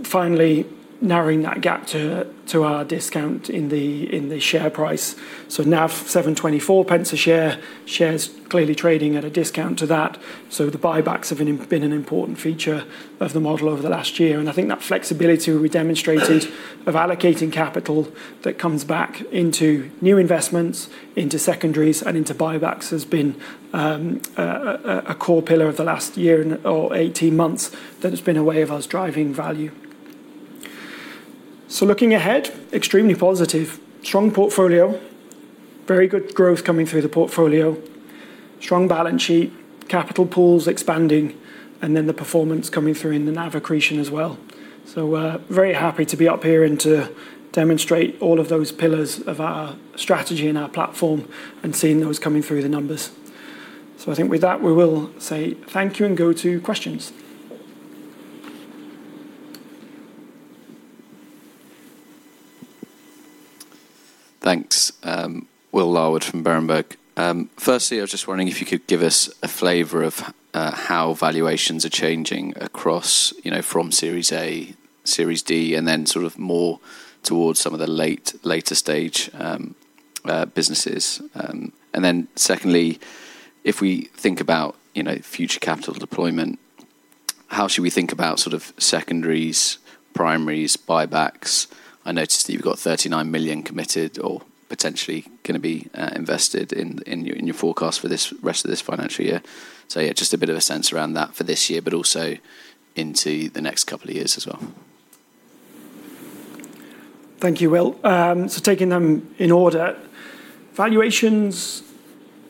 Speaker 1: Finally, narrowing that gap to our discount in the share price. Now 724 pence a share, shares clearly trading at a discount to that. The buybacks have been an important feature of the model over the last year. I think that flexibility we demonstrated of allocating capital that comes back into new investments, into secondaries, and into buybacks has been a core pillar of the last year or 18 months that has been a way of us driving value. Looking ahead, extremely positive, strong portfolio, very good growth coming through the portfolio, strong balance sheet, capital pools expanding, and then the performance coming through in the NAV accretion as well. Very happy to be up here and to demonstrate all of those pillars of our strategy and our platform and seeing those coming through the numbers. I think with that, we will say thank you and go to questions.
Speaker 3: Thanks. Will Howard from Berenberg. Firstly, I was just wondering if you could give us a flavor of how valuations are changing across from Series A, Series D, and then sort of more towards some of the later stage businesses. Secondly, if we think about future capital deployment, how should we think about sort of secondaries, primaries, buybacks? I noticed that you've got 39 million committed or potentially going to be invested in your forecast for this rest of this financial year. Just a bit of a sense around that for this year, but also into the next couple of years as well.
Speaker 1: Thank you, Will. Taking them in order, valuations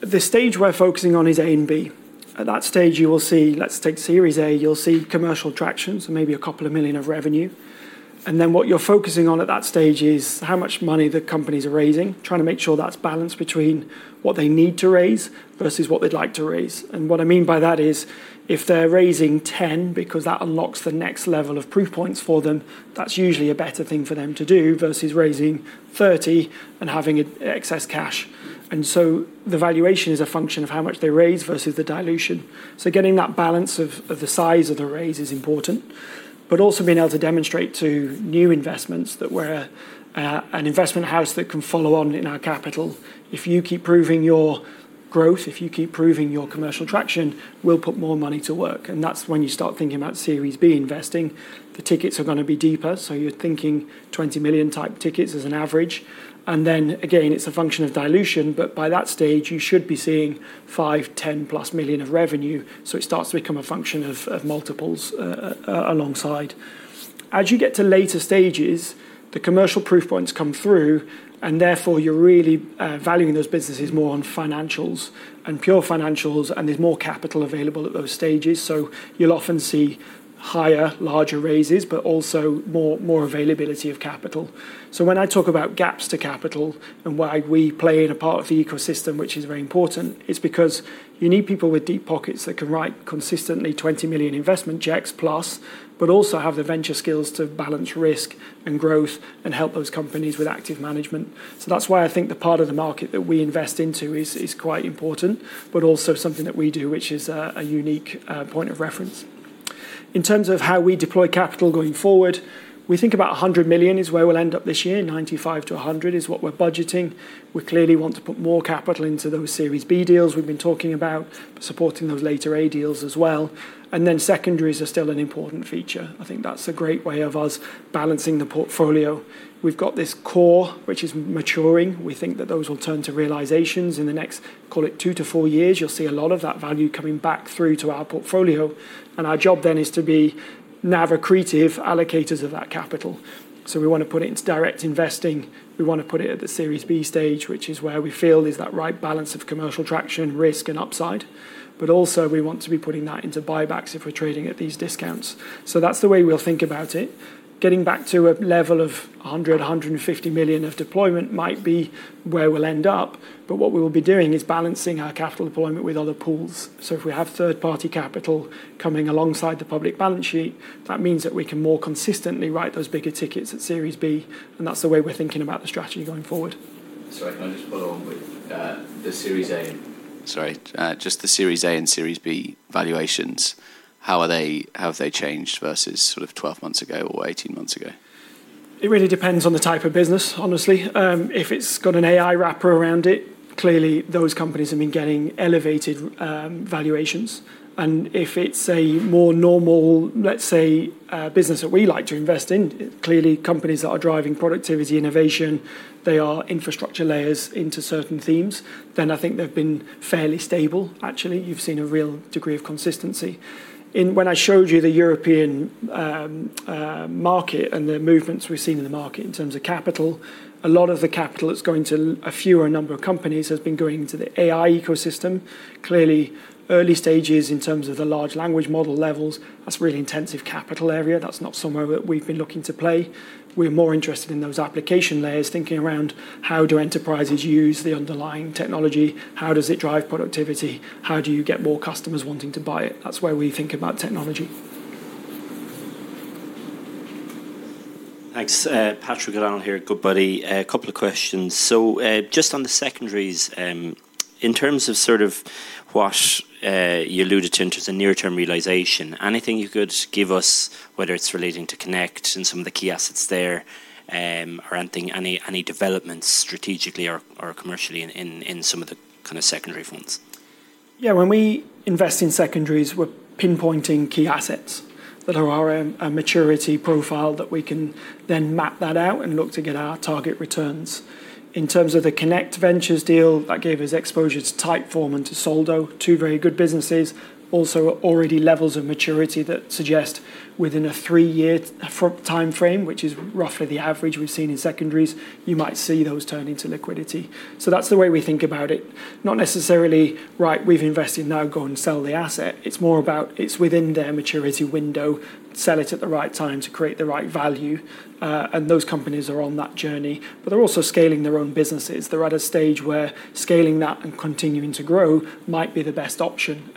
Speaker 1: at this stage we're focusing on is A and B. At that stage, you will see, let's take Series A, you'll see commercial traction, so maybe a couple of million of revenue. What you're focusing on at that stage is how much money the companies are raising, trying to make sure that's balanced between what they need to raise versus what they'd like to raise. What I mean by that is if they're raising 10 because that unlocks the next level of proof points for them, that's usually a better thing for them to do versus raising 30 and having excess cash. The valuation is a function of how much they raise versus the dilution. Getting that balance of the size of the raise is important, but also being able to demonstrate to new investments that we're an investment house that can follow on in our capital. If you keep proving your growth, if you keep proving your commercial traction, we'll put more money to work. That's when you start thinking about Series B investing. The tickets are going to be deeper. You are thinking $20 million type tickets as an average. It is a function of dilution, but by that stage, you should be seeing $5 million-$10 million plus of revenue. It starts to become a function of multiples alongside. As you get to later stages, the commercial proof points come through, and therefore you are really valuing those businesses more on financials and pure financials, and there is more capital available at those stages. You will often see higher, larger raises, but also more availability of capital. When I talk about gaps to capital and why we play in a part of the ecosystem, which is very important, it's because you need people with deep pockets that can write consistently $20 million investment checks plus, but also have the venture skills to balance risk and growth and help those companies with active management. That's why I think the part of the market that we invest into is quite important, but also something that we do, which is a unique point of reference. In terms of how we deploy capital going forward, we think about $100 million is where we'll end up this year. $95 million-$100 million is what we're budgeting. We clearly want to put more capital into those Series B deals we've been talking about, but supporting those later A deals as well. Secondaries are still an important feature. I think that's a great way of us balancing the portfolio. We've got this core, which is maturing. We think that those will turn to realizations in the next, call it two to four years. You'll see a lot of that value coming back through to our portfolio. Our job then is to be now accretive allocators of that capital. We want to put it into direct investing. We want to put it at the Series B stage, which is where we feel is that right balance of commercial traction, risk, and upside. Also, we want to be putting that into buybacks if we're trading at these discounts. That's the way we'll think about it. Getting back to a level of $100 million-$150 million of deployment might be where we'll end up, but what we will be doing is balancing our capital deployment with other pools. If we have third-party capital coming alongside the public balance sheet, that means that we can more consistently write those bigger tickets at Series B. That is the way we're thinking about the strategy going forward.
Speaker 3: Sorry, can I just follow on with the Series A? Sorry, just the Series A and Series B valuations, how have they changed versus sort of 12 months ago or 18 months ago?
Speaker 1: It really depends on the type of business, honestly. If it's got an AI wrapper around it, clearly those companies have been getting elevated valuations. If it's a more normal, let's say, business that we like to invest in, clearly companies that are driving productivity, innovation, they are infrastructure layers into certain themes. I think they've been fairly stable, actually. You've seen a real degree of consistency. When I showed you the European market and the movements we've seen in the market in terms of capital, a lot of the capital that's going to a fewer number of companies has been going into the AI ecosystem. Clearly, early stages in terms of the large language model levels, that's a really intensive capital area. That's not somewhere that we've been looking to play. We're more interested in those application layers, thinking around how do enterprises use the underlying technology? How does it drive productivity? How do you get more customers wanting to buy it? That's where we think about technology.
Speaker 4: Thanks. Patrick O'Donnell here, Goodbody. A couple of questions. Just on the secondaries, in terms of sort of what you alluded to in terms of near-term realization, anything you could give us, whether it's relating to Connect and some of the key assets there or any developments strategically or commercially in some of the kind of secondary funds?
Speaker 1: Yeah, when we invest in secondaries, we're pinpointing key assets that are our maturity profile that we can then map that out and look to get our target returns. In terms of the Connect Ventures deal, that gave us exposure to Typeform and to Soldo, two very good businesses, also already levels of maturity that suggest within a three-year timeframe, which is roughly the average we've seen in secondaries, you might see those turn into liquidity. That's the way we think about it. Not necessarily, right, we've invested now, go and sell the asset. It's more about it's within their maturity window, sell it at the right time to create the right value. Those companies are on that journey, but they're also scaling their own businesses. They're at a stage where scaling that and continuing to grow might be the best option.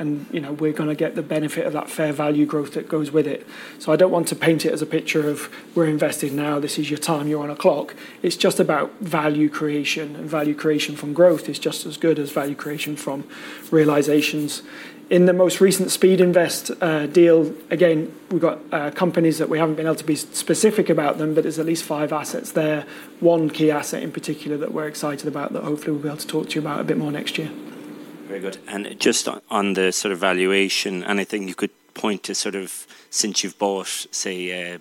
Speaker 1: We're going to get the benefit of that fair value growth that goes with it. I don't want to paint it as a picture of we're invested now, this is your time, you're on a clock. It's just about value creation. Value creation from growth is just as good as value creation from realizations. In the most recent Speedinvest deal, again, we've got companies that we haven't been able to be specific about them, but it's at least five assets there, one key asset in particular that we're excited about that hopefully we'll be able to talk to you about a bit more next year. Very good. Just on the sort of valuation, anything you could point to sort of since you've bought, say,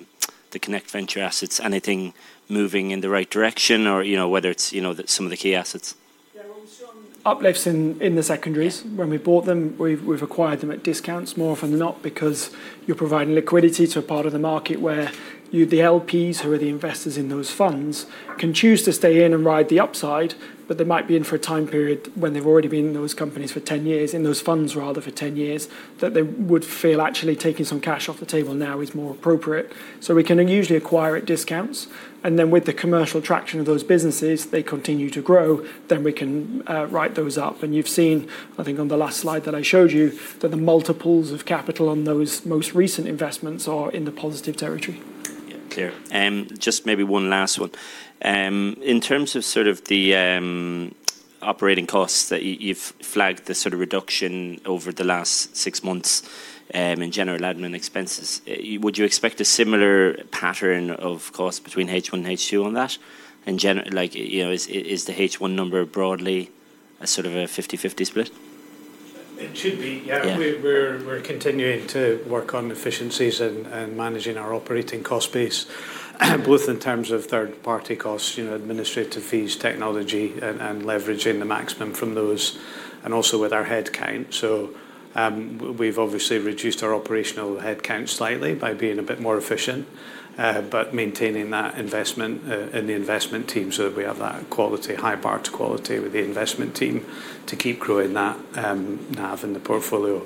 Speaker 1: the Connect Ventures assets, anything moving in the right direction or whether it's some of the key assets? Yeah, we've seen uplifts in the secondaries. When we bought them, we've acquired them at discounts more often than not because you're providing liquidity to a part of the market where the LPs, who are the investors in those funds, can choose to stay in and ride the upside, but they might be in for a time period when they've already been in those companies for 10 years, in those funds rather for 10 years, that they would feel actually taking some cash off the table now is more appropriate. We can usually acquire at discounts. With the commercial traction of those businesses, they continue to grow, then we can write those up. You've seen, I think on the last slide that I showed you, that the multiples of capital on those most recent investments are in the positive territory.
Speaker 4: Yeah, clear. Just maybe one last one. In terms of sort of the operating costs that you've flagged, the sort of reduction over the last six months in general admin expenses, would you expect a similar pattern of cost between H1 and H2 on that? Is the H1 number broadly a sort of a 50-50 split?
Speaker 2: It should be. Yeah, we're continuing to work on efficiencies and managing our operating cost base, both in terms of third-party costs, administrative fees, technology, and leveraging the maximum from those, and also with our headcount. We've obviously reduced our operational headcount slightly by being a bit more efficient, but maintaining that investment in the investment team so that we have that quality, high bar to quality with the investment team to keep growing that NAV in the portfolio.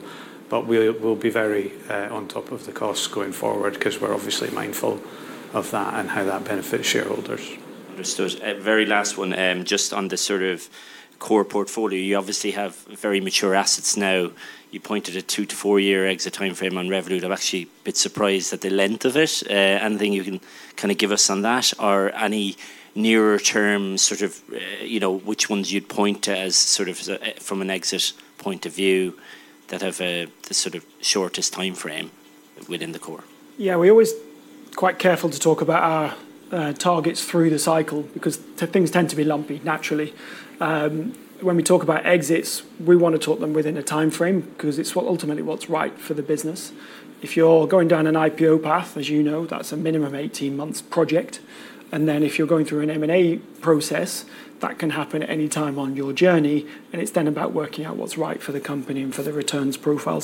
Speaker 2: We will be very on top of the costs going forward because we're obviously mindful of that and how that benefits shareholders.
Speaker 4: Understood. Very last one, just on the sort of core portfolio, you obviously have very mature assets now. You pointed a two- to four-year exit timeframe on revenue. I'm actually a bit surprised at the length of it. Anything you can kind of give us on that? Are any nearer term, sort of which ones you'd point as sort of from an exit point of view that have the sort of shortest timeframe within the core?
Speaker 1: Yeah, we're always quite careful to talk about our targets through the cycle because things tend to be lumpy naturally. When we talk about exits, we want to talk them within a timeframe because it's ultimately what's right for the business. If you're going down an IPO path, as you know, that's a minimum 18-month project. If you're going through an M&A process, that can happen at any time on your journey. It's then about working out what's right for the company and for the returns profile.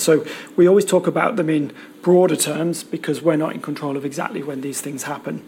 Speaker 1: We always talk about them in broader terms because we're not in control of exactly when these things happen.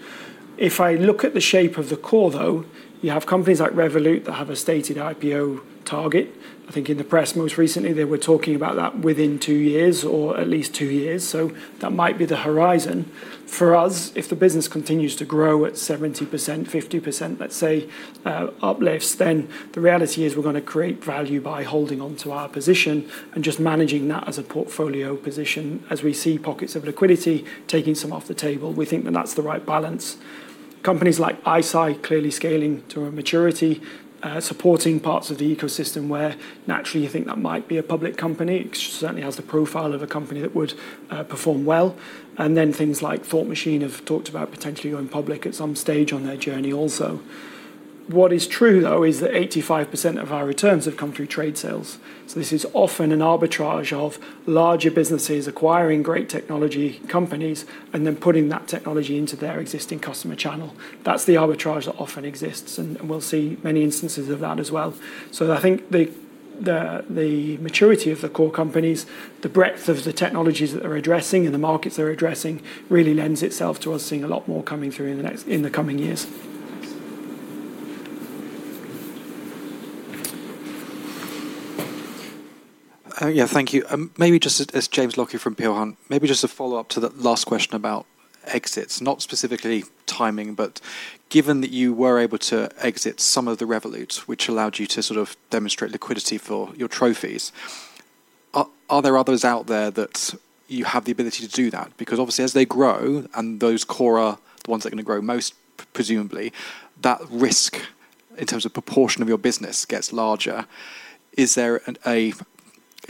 Speaker 1: If I look at the shape of the core, though, you have companies like Revolut that have a stated IPO target. I think in the press most recently, they were talking about that within two years or at least two years. That might be the horizon. For us, if the business continues to grow at 70%, 50%, let's say uplifts, then the reality is we're going to create value by holding on to our position and just managing that as a portfolio position as we see pockets of liquidity taking some off the table. We think that that's the right balance. Companies like ICEYE clearly scaling to a maturity, supporting parts of the ecosystem where naturally you think that might be a public company. It certainly has the profile of a company that would perform well. Things like Thought Machine have talked about potentially going public at some stage on their journey also. What is true, though, is that 85% of our returns have come through trade sales. This is often an arbitrage of larger businesses acquiring great technology companies and then putting that technology into their existing customer channel. That's the arbitrage that often exists. We'll see many instances of that as well. I think the maturity of the core companies, the breadth of the technologies that they're addressing and the markets they're addressing really lends itself to us seeing a lot more coming through in the coming years.
Speaker 5: Yeah, thank you. Maybe just as James Lockhyer from Peel Hunt, maybe just a follow-up to the last question about exits, not specifically timing, but given that you were able to exit some of the Revolut, which allowed you to sort of demonstrate liquidity for your trophies, are there others out there that you have the ability to do that? Because obviously, as they grow and those core are the ones that are going to grow most, presumably, that risk in terms of proportion of your business gets larger. Is there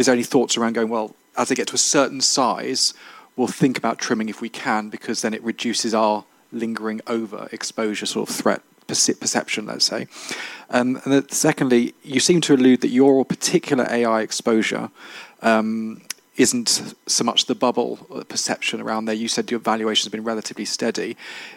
Speaker 5: any thoughts around going, as they get to a certain size, we'll think about trimming if we can because then it reduces our lingering overexposure sort of threat perception, let's say? Secondly, you seem to allude that your particular AI exposure isn't so much the bubble perception around there. You said your valuation has been relatively steady.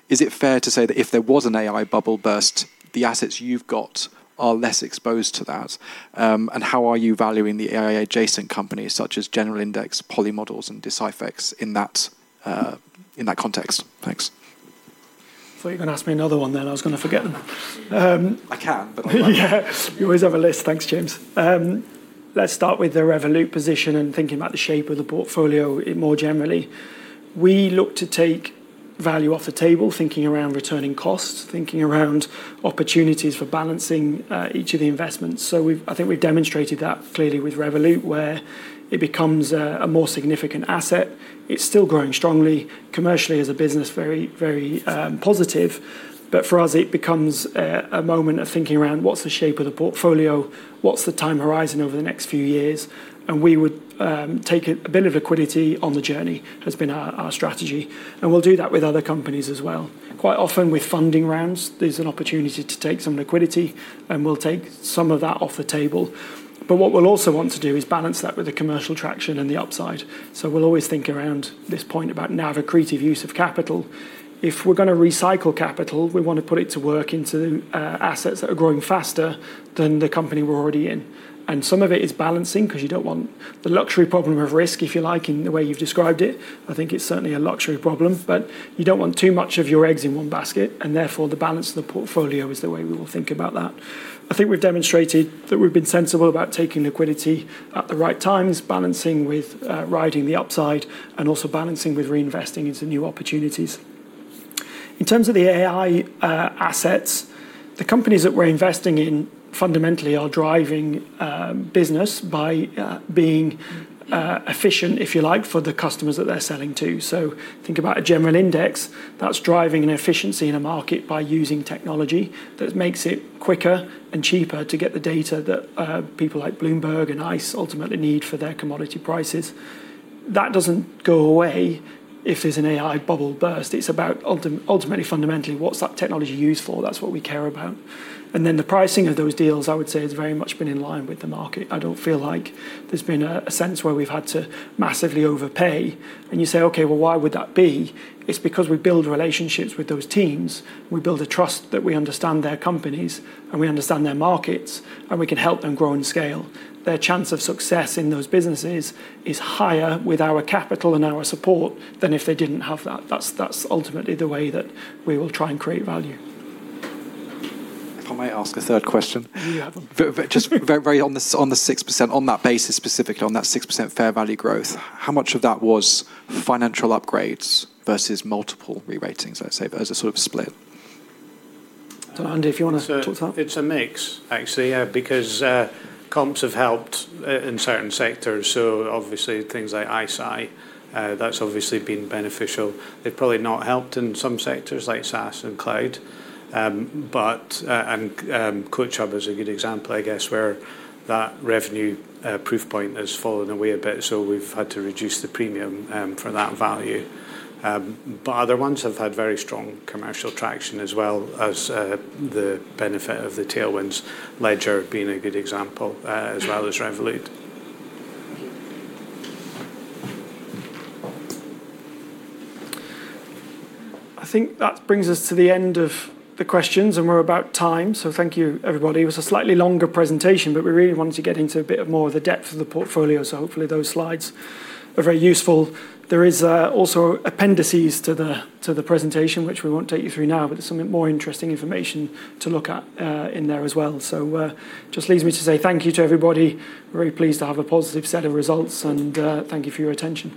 Speaker 5: Is it fair to say that if there was an AI bubble burst, the assets you've got are less exposed to that? How are you valuing the AI adjacent companies such as General Index, Polymodals, and DeciFX in that context? Thanks.
Speaker 1: Thought you were going to ask me another one then. I was going to forget them. I can, but I'm not. Yeah, you always have a list. Thanks, James. Let's start with the Revolut position and thinking about the shape of the portfolio more generally. We look to take value off the table, thinking around returning costs, thinking around opportunities for balancing each of the investments. I think we've demonstrated that clearly with Revolut where it becomes a more significant asset. It's still growing strongly. Commercially as a business, very positive. For us, it becomes a moment of thinking around what's the shape of the portfolio, what's the time horizon over the next few years. We would take a bit of liquidity on the journey has been our strategy. We'll do that with other companies as well. Quite often with funding rounds, there's an opportunity to take some liquidity and we'll take some of that off the table. What we'll also want to do is balance that with the commercial traction and the upside. We'll always think around this point about now have a creative use of capital. If we're going to recycle capital, we want to put it to work into assets that are growing faster than the company we're already in. Some of it is balancing because you don't want the luxury problem of risk, if you like, in the way you've described it. I think it's certainly a luxury problem, but you don't want too much of your eggs in one basket. Therefore, the balance of the portfolio is the way we will think about that. I think we've demonstrated that we've been sensible about taking liquidity at the right times, balancing with riding the upside and also balancing with reinvesting into new opportunities. In terms of the AI assets, the companies that we're investing in fundamentally are driving business by being efficient, if you like, for the customers that they're selling to. Think about a general index that's driving an efficiency in a market by using technology that makes it quicker and cheaper to get the data that people like Bloomberg and ICE ultimately need for their commodity prices. That doesn't go away if there's an AI bubble burst. It's about ultimately, fundamentally, what's that technology used for? That's what we care about. The pricing of those deals, I would say, has very much been in line with the market. I don't feel like there's been a sense where we've had to massively overpay. You say, okay, why would that be? It's because we build relationships with those teams. We build a trust that we understand their companies and we understand their markets and we can help them grow and scale. Their chance of success in those businesses is higher with our capital and our support than if they did not have that. That is ultimately the way that we will try and create value.
Speaker 5: If I may ask a third question. You have one. Just very on the 6%, on that basis, specifically on that 6% fair value growth, how much of that was financial upgrades versus multiple re-ratings, let's say, as a sort of split?
Speaker 1: I do not know, Andy, if you want to talk to that.
Speaker 2: It is a mix, actually, because comps have helped in certain sectors. Obviously, things like ICEYE, that has obviously been beneficial. They have probably not helped in some sectors like SaaS and cloud. CoachHub is a good example, I guess, where that revenue proof point has fallen away a bit. We have had to reduce the premium for that value. Other ones have had very strong commercial traction as well as the benefit of the tailwinds, Ledger being a good example, as well as Revolut.
Speaker 1: I think that brings us to the end of the questions, and we're about time. Thank you, everybody. It was a slightly longer presentation, but we really wanted to get into a bit more of the depth of the portfolio. Hopefully those slides are very useful. There are also appendices to the presentation, which we won't take you through now, but there's some more interesting information to look at in there as well. It just leaves me to say thank you to everybody. We're very pleased to have a positive set of results. Thank you for your attention.